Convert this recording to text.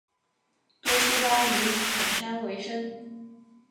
多希巴以垦山为生。